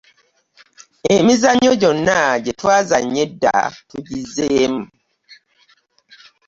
Emizannyo gyonna gye twazannya edda tugizzeemu.